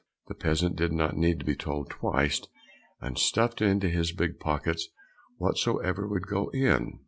The peasant did not need to be told twice, and stuffed into his big pockets whatsoever would go in.